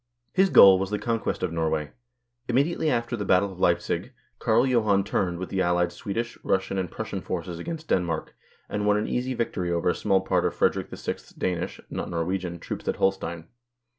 His goal was the conquest of Norway. Immediately after the battle of Leipzig, Carl Johan turned with the allied Swedish, Russian, and Prussian forces against Denmark, and won an easy victory over a small part of Frederick VI.'s Danish (not Norwegian) troops at Holstein.